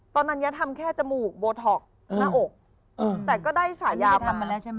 ตอนนั้นแย๊บทำแค่จมูกโบท็อกหน้าอกแต่ก็ได้ฉายาวมา